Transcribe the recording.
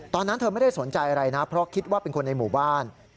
ตอนนั้นเธอไม่ได้สนใจอะไรนะเพราะคิดว่าเป็นคนในหมู่บ้าน